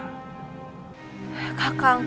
kakang kakang sudah